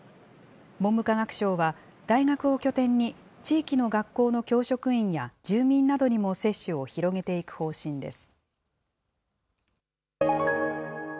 文部科学省は、大学を拠点に地域の学校の教職員や住民などにも接種を広げていく方針です。